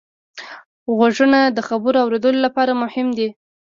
غوږونه د خبرو اورېدلو لپاره مهم دي